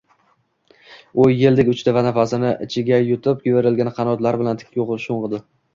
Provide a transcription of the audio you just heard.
U yeldek uchdi va nafasini ichiga yutib, kerilgan qanotlari bilan tik sho‘ng‘idi.